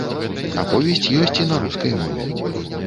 Аповесць ёсць і на рускай мове.